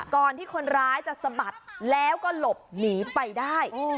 ก่อนที่คนร้ายจะสะบัดแล้วก็หลบหนีไปได้